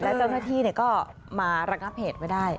และเจ้าเพื่อที่ก็มาระกรับเหตุไปได้